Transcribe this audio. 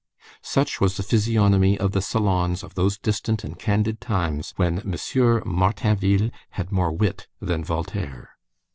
Such was the physiognomy of the salons of those distant and candid times when M. Martainville had more wit than Voltaire.